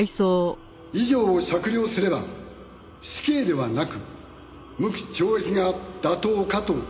以上を酌量すれば死刑ではなく無期懲役が妥当かと思われます。